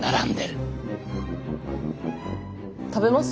食べます？